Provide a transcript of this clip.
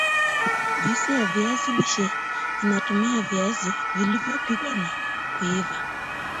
juisi ya viazi lishe inatumia viazi vilivyopikwa na kuiva